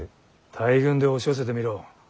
大軍で押し寄せてみろ。